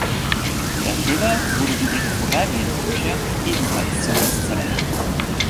Der Thriller wurde wie ihre vorhergehenden Bücher ebenfalls zum Bestseller.